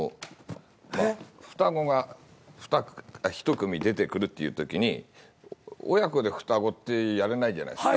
双子が一組出てくるっていうときに親子で双子ってやれないじゃないですか。